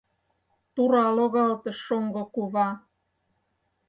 Тура логалтыш шоҥго кува.